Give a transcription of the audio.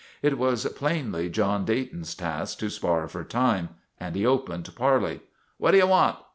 It was plainly John Dayton's task to spar for time, and he opened parley. " What do you want?